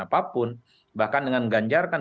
apapun bahkan dengan ganjar kan